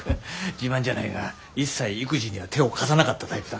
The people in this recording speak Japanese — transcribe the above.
自慢じゃないが一切育児には手を貸さなかったタイプだから。